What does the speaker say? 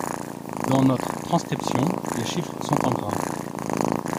Dans notre transcription, les chiffres sont en gras.